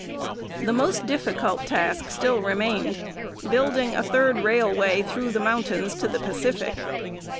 The most difficult task still remained building a third railway through the mountains to the Pacific.